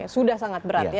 sudah sangat berat ya